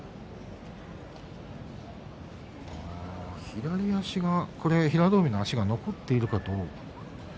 左足が平戸海の左足が残っているかどうか。